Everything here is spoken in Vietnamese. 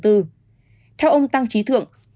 theo ông tăng trí thượng